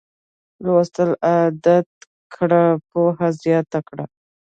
لوستل عادت کړه پوهه زیاته کړه